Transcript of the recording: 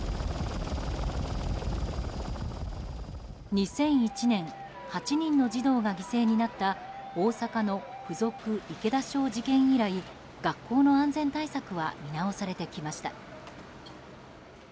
２００１年８人の児童が犠牲になった大阪の附属池田小事件以来学校の安全対策は見直されてきました。